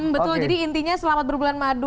betul jadi intinya selamat berbulan madu